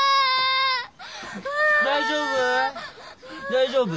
大丈夫？